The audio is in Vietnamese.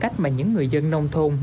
cổng vô nhà